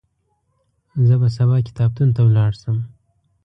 زه به سبا کتابتون ته ولاړ شم.